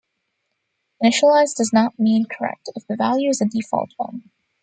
Initialised does not mean correct if the value is a default one.